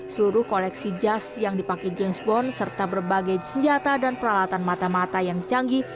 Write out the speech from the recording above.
seluruh koleksi jas yang dipakai james bond serta berbagai senjata dan peralatan mata mata yang canggih